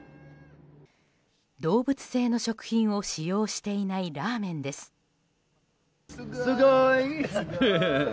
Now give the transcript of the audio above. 動物性の食品を使用していないラーメンです。